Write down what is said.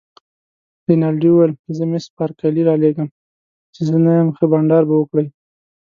رینالډي وویل: زه مس بارکلي رالېږم، چي زه نه یم، ښه بانډار به وکړئ.